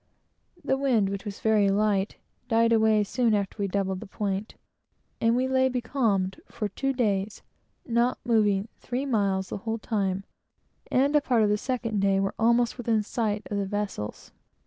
The wind, which was very light, died away soon after we doubled the point, and we lay becalmed for two days, not moving three miles the whole time, and a part of the second day were almost within sight of the vessels.